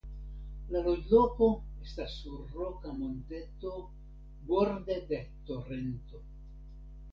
La loĝloko estas sur roka monteto borde de torento.